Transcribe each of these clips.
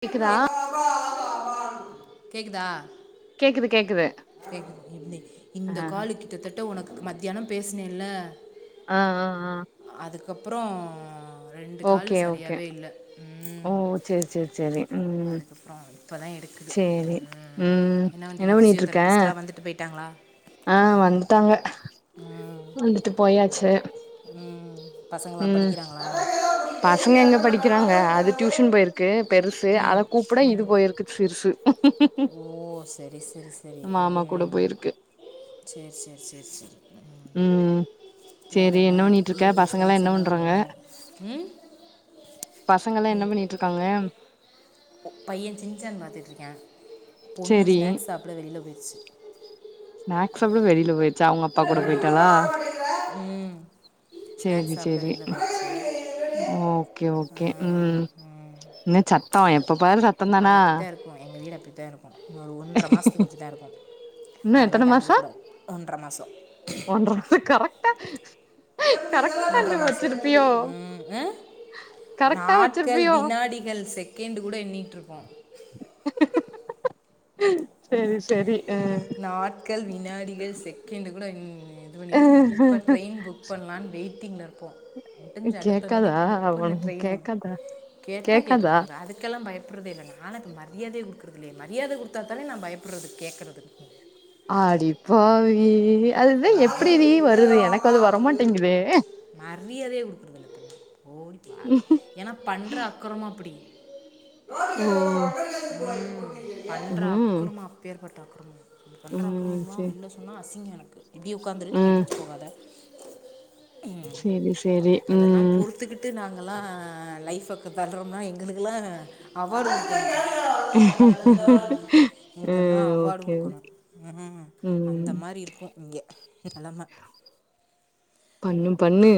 கேக்க கேக்குதா கேக்குது [unintelligible] இந்த காலு கிட்டத்தட்ட உனக்கு மத் யனம் பேசின்னில்ல ஆஹா அஹ அஹ க்கப்புறோ ரெண்டு காலு சரியாவே இல்ல அதுக்கப்புறோ இப்பதா எடுக்குது உம் என்ன வண்டிங்க பிசியோதரபிஸ்ட்லா வந்துட்டு போயிட்டா ட்டாங்குல ஆஹ வந்துட்டாங்க வந்துட்டு போயாச்சு உம் பசங்க எங்க படிக்கிறாங்க அது டியூஷன் போயிருக்கு பெருஸ் து அத கூப்ட இது போயிருக்கு சிறுசு ஓ சரி சரி சரி ம் சேர் சேர் சேர் செரி ம் வேறன்ன ஈவினிங் ஸ்நாக்ஸ் என்ன பண்ணீங்க ம் பசங்கல்லா என்ன பண்ணிட்ருக்காங்க பையன் சின்சான் பாத்திட்ருக்யா பொண்ணு ஸ்நாக்ஸ் ஷாப்ட வெளில போயிடுச்சு ஸ்நாக்ஸ் சாப்ட வெளில போய் ச்ச அவுங்க அப்பா கூட போயிட்டாளா செரி செரி ஓகே ஓக்கே உம் என்ன சத்தோ எப் அது அப்டித்த இருக்கு எங்க வீடு அப்டித்த இருக்கு இன்னொரு ஒன்ற மாசத்துக்கு அப்டித்தா இருக்கு அதெல்லா கண்டுக்க கூடாது ஒன்ற மாசோ த கரெக்ட்டண்ண வச்சிருப்பியோ அஹ் நாட்கள் வினாடிகள் செக் கேண்டு கூட எண்ணிருக்கு செரி செரி நாட்கள் வினாடிகள் செக்கண்ட்டு கூட ன் இது பன்னிட்ருக்கோ எப்ப ட்ரைன் புக் பண்ணலான் வெயிட் ட்டிங்லருபோ முடிஞ்ச அடுத்த நொடி புக் பண்ணு ட்ரைனு கேட்டா கேட்டுட்டு போரா அதுக்கெல்லா பயப்படுறதே இல்ல நாலாப்ப பயெ மரியாதே குடுக்றது இல்லையே மரியாத குடுத்தாதனே நா பயப்படுறது கேட்கறது [inaudible] அடிப்பாவி மறியாதயே கொடுக்கறதில்ல இப்பல்லா போடி பாரு ஏனா பண்ற அக்கறமோ அப்டி ஓ ம் பன்ற அக்குறுமோ அப்பேர்பட் தக்குருமோ இது பண்ற அக்கிரமம்லா வெள்ல சொன்ன அசிங்கோ எனக் இப்டியே உட்காந்துரு எந்திரிச்சி போகாத சேரி சேரி ம் ஙலா லைஃபக் தல்றோம்னா எங்களுக்குலா அவார்டு குடுக்கணு ம் ஓகே ஓகே ம் இங்க நெலம பண்ணு பண்ணு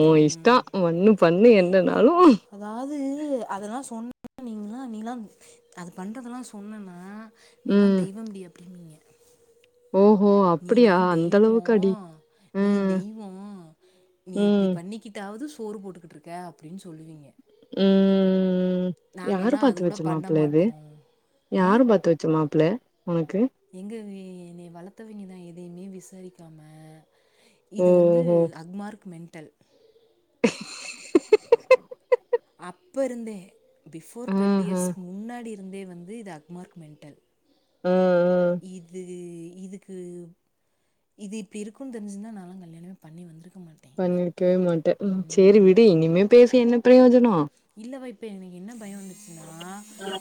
உ இஷ்டோ ஒண்ணு பண்ணு என்னனாலு து அதெல்லா சொன்ன நீங்களலா நீலா அது பண்ணறதெலா சொன்னேன்னா நீல்லா தெய்வம் டியா நீலான் தெய்வோ நீ தெய்வோ நீ இப்டி பண்ணிக்கிட்டாவது போரு போட்டுக்கிட்டுருக்க அப்டின்னு சொல்லுவீங்க ம் யாரு பாத்து வெச்ச மாப்பிள்ளை இது யாரு பாத்து வெச்ச மாப்பிள்ள எங்க என்னைய வளர்த்தவிங்கதா எத் எதையு மே விசாரிக்காம இது வந்து அக்மார்க் மென் ட்டல் அப்ப இருந்தே பிபோர் டுவெல்வ இயர்ஸ்கு முன்னாடி சந்தே வந்து இது அக்மார்க் மென்டல் இது இதுக்கு இது இப்ப இருக்கும்ன்னு தெரிஞ்சுந்தா நாம் கல்யாணமே பண்ணி வந்திருக்கு பண்ணிருக்கவே மாட்டேன் சரி விடு இனிமே பேசி என்ன பிரயோஜனம் இல்ல [unintelligible] இப்ப என்ன பயம் வந்துச்சுன்னா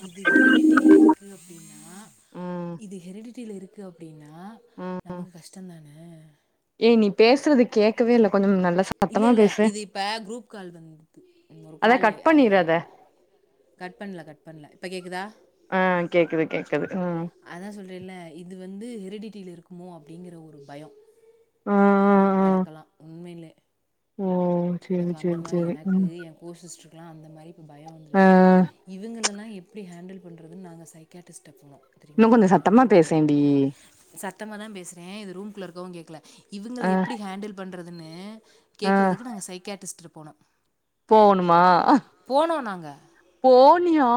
இது ஹெரிடிட்டில இருக்கு அப்படின்னா இது ஹெரிடிட்ட இருக்கு அப்படின்னா ஆ நமக்கு கஷ்டம் தானே ஏ நீ பேசுறது கேட்கவே இல் ல கொஞ்சம் நல்ல இல்ல இல்ல இது இப்ப குரூப் கால் வந்து ஒரு கால் கட் பண்ணல கட் பண்ணல இப்ப கேக்குதா அதான் சொல்றேன்ல்ல இது வந்து ஹெரிடிட்டில இருக்குமோ அப்படிங்கற ஒரு பயம் எனக்கெல்லாம் உண்மையிலே ஓ சரி சரி சரி உம் லாம் அந்த மாரி பயம் வந்துருச்சு இவங்கல்லா எப்படி ஹேண்டில் ப பண்றது நாங்க சைக்காட்டிஸ்ட் போனோம் இன்னும் கொஞ்சம் சத்தமா பேசேண்டி அவங்க கேக்கல இவங்களை எப்படி ஹேண்டில் பண்றது ண்ணு கே்கறதுக்கு நாங்க சைகாட்டிஸ்ட் இரு போனோ போணுமா ஆஹ் போனியா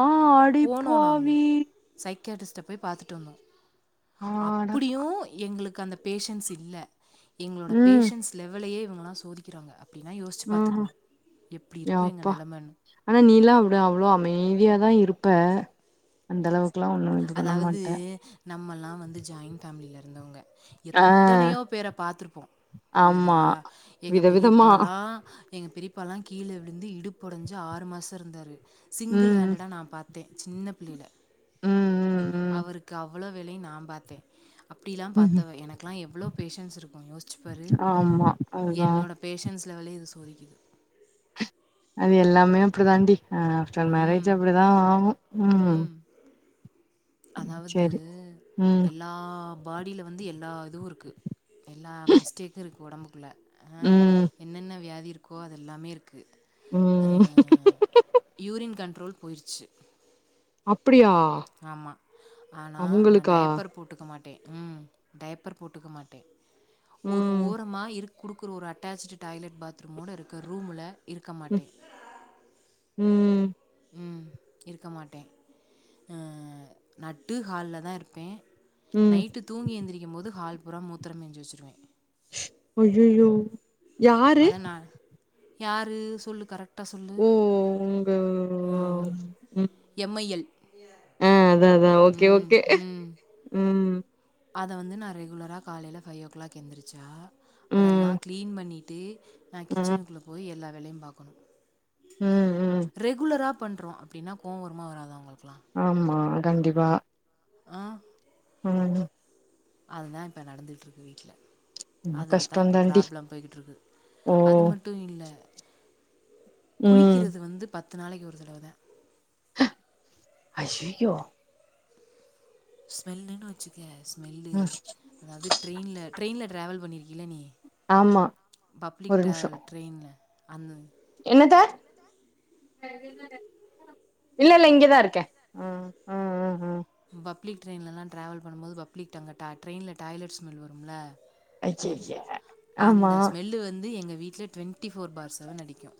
அடிப்பாவி கே டிஸ்டப் போய் பார்த்துட்டு வந்தோம் அப்புடியும் எங்களுக்கு க்க அந்த பேஷன்ஸ் இல்ல எங்களோட பேஷன்ஸ் லெவலையே உங்க ல்லாம் சோதிக்கிறாங்க ஆஹ்ஹ யப்பா ஆனா நீல்லாம் அவளோ அவ்ளோ அமைதியாதா இருப் ப அந்தளவுக் க்லா நா இது பண்ண மாட்ட நா வந்து ஜாயிண்ட் ஃபேமிலியில இருந்தவுங்க எத்தனையோ பேர பாத்திருப்போ புரியுதா எங்க பெரியப்பால்லா எங்க பெரிப்பாலா கீழ விழுந்து இடுப்பொடஞ்சி ஆறு மாசோ இருந்தாரு சிங்கிள் ஹேண்டடா நா பாத் தே சின்ன பிள்ளைல ம் ம் அவருக்கு அவ் ளோ வேலையூ நா பாத்தே அப்டிலா பாத்தவ எனக்லா எவ்ளோ பேஷன்ஸ் இருக்கூ யோசிச்சுப்பாரு என்னோட பேஷன்ஸ் லெவலே இது சோதிக்குது அது எல்லாமே அப்டி தாண்டி ஆ ஆஃப்டர் மேரேஜ் அப்டிதா ஆகூ ம் அதாவது எல்லா பாடில வந்து எல்லா இதுவூ இருக்கு எல்லா மிஸ்டேக் இருக்கு ஒடம்பு குள்ள ஆஹக்ஷ என்னென்ன வியாதி இருக் கோ அதெல்லாமேருக் கு ஆ யூரின் கண்ட் ட்ரோல் போயிட்ச்சு அப்டியா ஆமா ஆனா நா டயாப்பர் போட்டுக்க மாட் டே ம் டயப்பர் போட்டுக்க மாட்டே ஒரு ஓரமா இருக் குடுக்குற ஒரு அட்டாச்ச்டு டாய்லெட் பாத்ரூமோட இருக்க ரூமுல இருக்க மாட்டே ம் ம் இருக்க மாட்டே நட்டு ஹால்ல தா இருப்பே நைட்டு தூங்கி எந்திருக்கும் போது ஹால் புறோ மூத்திர மேஞ்சி வச்சுருவே அய்யய்யோ யாரு யாரு சொல்லு கரெக்ட் டா சொல்லு ஆஹ் எம் ஐ எல் அதா ஓகே ஓகே உம் உம் அத வந்து நா ரெகுலராக காலயில ஃபைவ் ஓ கிளாக் எந்திரிச்சா அதெல்லா க்ளீன் பண்ணிட்டு நா கிச்சனுக்குள்ள போய் எல்லா வேலையு பாக்கனு ரெகுலராப் பண்றோ அப்டின்னா கோவ வரும்மா வராது அவங்களுகலா ஆமா கண்டிபா ஆஹ் ஹம் அததா இப்ப நடந்துட்ருக்கு வீட்டுல அதுக்குத்தா இப்ப ப்ராப்ள போயிகிட்டுருக்கு அது மட்டு இல்ல குளிக்கிறது வந்து பத்து பத்து நாளைக்கு ஒரு தடவதா ஐய்யய்யோ ஸ்மெல்லுனு வச்சுக்க மெல்லு அதாவது ட்ரெயின்ல ட்ரெயின்ல டிராவல் பண்ணியிருக்கீள நீ பப்ளிக் டிராவல் ட்ரெயின்ல அந்தது என்னத்த இல்ல இல்ல இங்கதா இருக்கே ம் ஹ ஹ ஹ பப்ளிக்டிரையின்ல்லா டரால் பண்ணுபோது பப்ளிக் ட அங்க ட்ரைன்ல டாய்லெட் ஸ்மெல் வரும்ல அய்யய்யே அந்த ஸ்மெல்லு வந்து எங்க வீட்ல டுவென் டுவென்டி ஃபோர் பார் செவன் அடிக்கு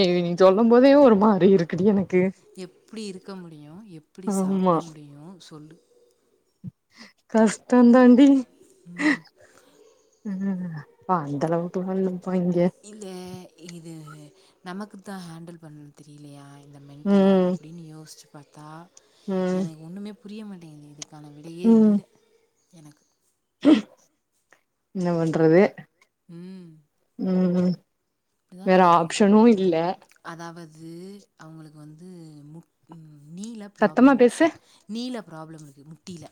ஏ நீ சொல்லு போதே ஒரு மாரி இருக்குடி எனக் எப்டி இருக் இருக்க முடியு எப்புடி சாப்பிட முடியு சொல்லு கஷ்டோ தாண்டி உம் பா அந்தளவுக்கு இல்ல இல்ல இது நமக்கு தா ஹேண்டில் பண்ண தெரியலையா இந்த மென்டல அப்படின்னு யோசிச்சு பாத்தா எனக் ஒன்னுமே புரிய மாட்டேங்கிது கான விடையே இல்ல எனக் ன்ன பண்றது ம் ம் ம் வேற ஆப்ஷனு இல்ல து அவங்களுக்கு வந்து முட் நீ ல ப்ராப்ளம் இருக்கு நீ ல ப்ராப்ளம் இருக்கு முட்டில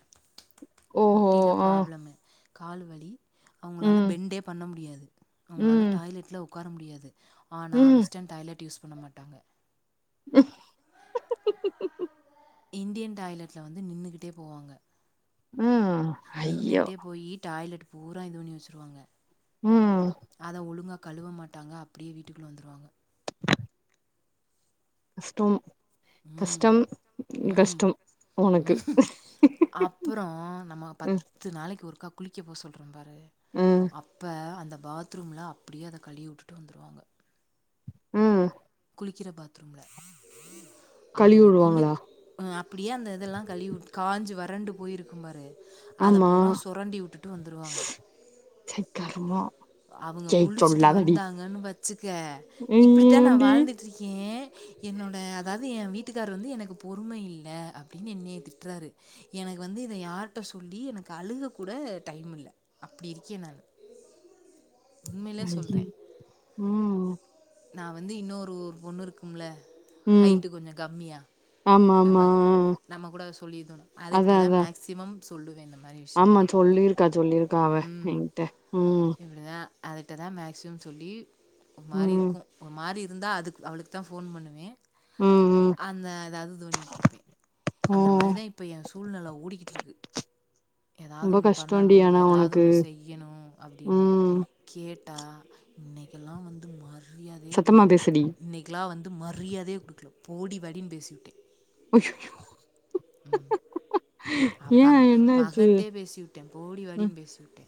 முட்டில ப்ராபளம்மு காலு வலி அவுங்களால பெண்டே பண்ண முடியாது அவங்களால டாய்லெட்ல உக் உக்கார முடியாது ஆனா வெஸ்டன் டாய்லெட் யூஸ் உன்ன மாட்டாங்க இந்டியன் டாய்லெட்ல வந்து நின்னுகிட்டே போவாங்க நின்னுகுட்டே போயி டாய்லெட் பூரா இது பண்ணி வச்சிருவாங்க அத ஒழுங்கா கழுவ மாட்டாங்க அப்டியே வீட்டுக்குள்ள வந்துருவாங்க அஸ்ட்டோ ம் ம் ம் அப்புரோ நம்ம பத்து நாளக்கு ஒருக்கா குளிக்க போ சொல்ற பார் அப்ப அந்த பாத்ரூம்ல அப்டியே அத கழுவி உட்டுட்டு வந்துருவாங்க ம் குளிக்கிற பாத்ரூம்ல அவுங்க குளிச் ப்புடியே அந்த இதல்லா கழுவி உட் காஞ்சி வறண்டு போயிருக்கு பாரு ஆமா ச்சைக் கருமோ அவுங்க குளிச்சுட்டு வந்தாங்கன்னு வச்சுக்க இப்புடித்தா நா வாழ்ந்துட்டு இருக்கே ஏ என்னோட அதாது எ வீட்டுக்கார் வந்து எனக்கு பொறுமை இல்ல அப்டின்னு என்னய திட்டுறாரு எனக்கு வந்து இத யார்ட்ட சொல்லி எனக்கு அழுக கூட டைம் இல்ல அப்டி இருக்கே நானு [unintelligible] உம் நா வந்து இன்னொரு பொண்ணு இருக்கும்ல ஹைட்டு கொஞ்சோ கம்மியா நம்ம நம்ம கூட சொல்லிருந்தோ அதுகிட்டதா மேக்சிமம் சொல்லுவே ஆமா சொல்லிருக்கா சொல்லிருக்கா அவ என்ட்ட உம் அ அதுட்டதா மேக்சிமம் சொல்லி ஒரு மாரி இருக்கு ஒரு மாரி இரு இருந்தா அதுக்கு அவளுக்குதா ஃபோன் பண்ணுவே அந்த அதாவது தோணிக்கிட்டு இருப்பே அந்த மாரிதா இப்ப எ சூழ்நிலை ஓடிக்கிட்டு இருக்கு ஏதாவது ஒன்னு பண்ணணு ஏதாவது ஒன்னு செய்யணு அப்டின்னு கேட் ட்டா இன்னைக்குலா வந்து மறு ரியாதையே குடுக்கல இன்னைக்குலா வந்து மரியாதையே குடுக்கல போடி வாடின்னு பேசிவிட்டே உம் அவுங்க அம் மகன்ட்டே பேசி விட்டே போடி வாடின்னு பேசி விட்டே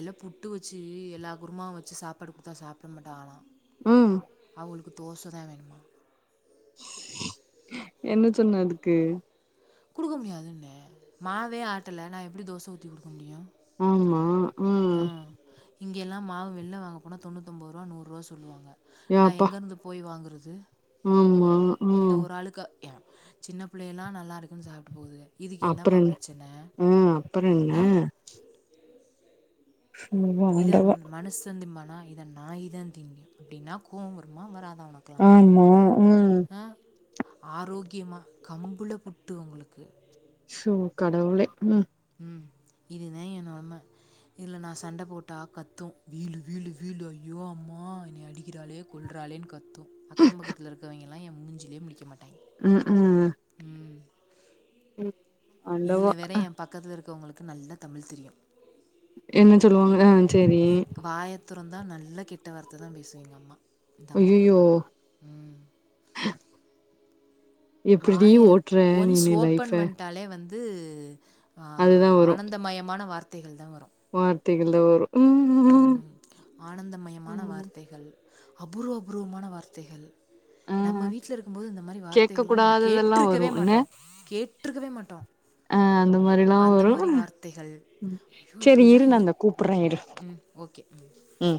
எல்லா புட்டு வச்சு எல்லா குருமாவ வச்சு சாப்பாடு குடுத்தா சாப்ட மாட்டாகலாம் உம் அவளுக்கு தோசதா வேணுமா என்ன சொன்ன அதுக்கு குடுக்க முடியாதுன்னே மாவே ஆட்டல நா எப்டி தோச ஊத்தி குடுக்க முடியு ஆமா உம் இங்கேல்லா மாவு வெளில வாங்க போனா தொண்ணூத்தொம்பதுருவா நூறுருவா சொல்லுவாங்க நா எங்கருந்து போய் வாங்குறது து ஆமா ஆ சின்ன புள்ளைகல்லா நல்லாருக்குன்னு சாப்ட்டு போதுக அப்புறன்ன ம் அப்புறென்ன இது அந் மனுஷந்திம் பானா இத நாய் தா திங்கும் அப்டின்னா கோவ வருமா வரா ஆமா ம் ஆரோக்கியமா கம்புள புட்டு உங்களுக்கு சோ கடவுளே உம் ம் இதுதா எ நெலம இதுல நா சண்டை போட்டா கத்தும் வீலு வீலு வீலு ஐயோ அம்மா என்னயே அடிக்கிறாளே கொல்றாளேன்னு கத் து அக்கம் பக்கத்தில இருக்கவைங்க பையா முஞ்சிலே முழிக்க மாட்ட ம் ம் ம் இதில்ல வற ஏன் பக்கத்துல இருக்க உங்களுக்கு நல்ல தமிழ் தெரியும் என்ன சொல்லுவாங்க செரி தொரந்த நல்ல கெட்ட வார்த்த தான் பேசும் எங்க அம்மா தம்மா ம் எப்படி ஓட்டுற நீனு லைஃப்ப து ஆ ஆனந்தமயமான வார்த் தைகள் தான் வரும் வார்த்தைகள்ல வரும் ஆனந்தமயமான வார்த்தைகள் அபூர்வ அபூர்வமான வார்த்தைகள் நம்ம வீட்டில இருக்கும் போது இந்த மாரி வார்த்தைகள்லாம் நம்ம கேட்டிருக்கவே மாட்டோம் கேட்டிருக்கவே மாட்டோம் அந்த மாரி வார்த்தைகள் ஐயோ இப்படிலாம் இரு ம் ஓகே ம்